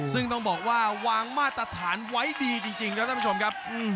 ซึ่งต้องบอกว่าวางมาตรฐานไว้ดีจริงครับท่านผู้ชมครับ